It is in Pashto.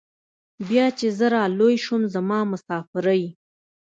بيا چې زه رالوى سوم زما مسافرۍ.